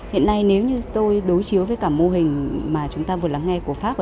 hiện nay nếu như tôi đối chiếu với cả mô hình mà chúng ta vừa lắng nghe